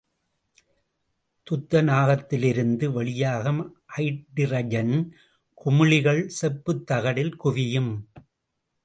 துத்தநாகத்திலிருந்து வெளியாகும் அய்டிரஜன் குமிழிகள் செப்புத் தகட்டில் குவியும்.